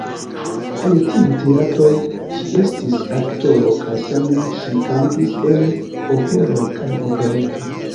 En tiuj teatroj ŝi estis aktoro kaj same ŝi kantis en operoj kaj operetoj.